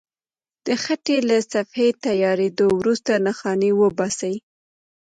د خټې له صفحې تیارېدو وروسته نښانې وباسئ.